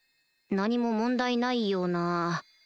何も問題ないような